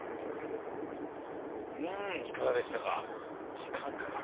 うんいかがでしたか。